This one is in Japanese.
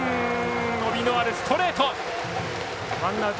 伸びのあるストレート！